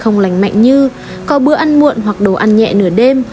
không lành mạnh như có bữa ăn muộn hoặc đồ ăn nhẹ nửa đêm